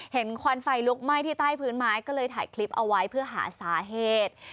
ควันไฟลุกไหม้ที่ใต้พื้นไม้ก็เลยถ่ายคลิปเอาไว้เพื่อหาสาเหตุ